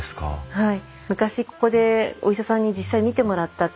はい。